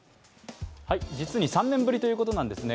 実に３年ぶりということなんですね。